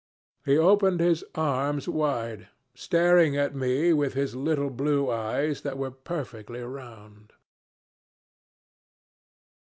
He opened his arms wide, staring at me with his little blue eyes that were perfectly round."